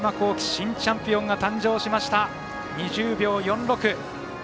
新チャンピオンが誕生しました２０秒４６。